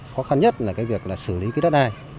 khó khăn nhất là cái việc là xử lý cái đất đai